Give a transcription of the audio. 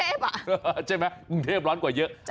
พรุ่งเทพอ่ะใช่ไหมพรุ่งเทพร้อนกว่าเยอะ